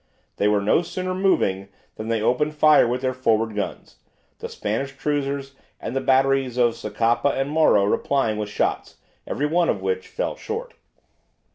They were no sooner moving than they opened fire with their forward guns, the Spanish cruisers and the batteries of Socapa and Morro replying with shots, every one of which fell short.